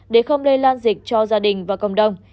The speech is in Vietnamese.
để không lây lan dịch cho gia đình và cộng đồng